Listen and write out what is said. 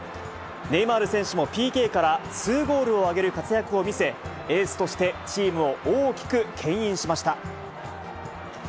ネイマール選手もＰＫから２ゴールを挙げる活躍を見せ、エースとして、チームを大きくけん引しました。